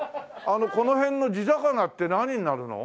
この辺の地魚って何になるの？